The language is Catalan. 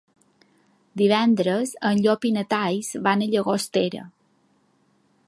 Divendres en Llop i na Thaís van a Llagostera.